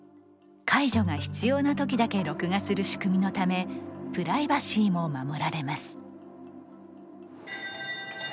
介助が必要な時だけ録画する仕組みのためプライバシーも守られます。